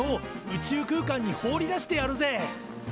宇宙空間に放り出してやるぜ！